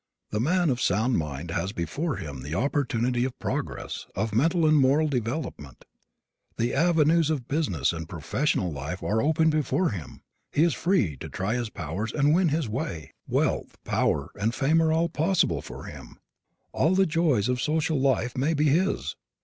The man of sound mind has before him the opportunity of progress, of mental and moral development. The avenues of business and professional life are open before him. He is free to try his powers and win his way. Wealth, power and fame are all possible for him. All the joys of social life may be his.